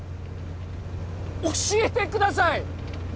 教えてください！